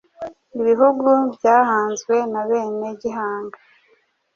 Ibihugu byahanzwe na bene Gihanga,